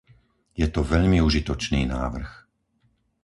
Je to veľmi užitočný návrh.